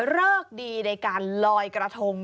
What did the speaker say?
เลิกดีในการลอยกระทง